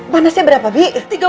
panasnya berapa bi